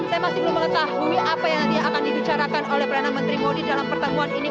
saya masih belum mengetahui apa yang nanti akan dibicarakan oleh perdana menteri modi dalam pertemuan ini